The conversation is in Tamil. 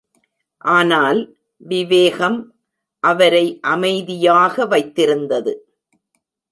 ஆனால் விவேகம் அவரை அமைதியாக வைத்திருந்தது.